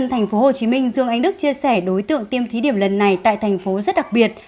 thành phố hồ chí minh dương anh đức chia sẻ đối tượng tiêm thí điểm lần này tại thành phố rất đặc biệt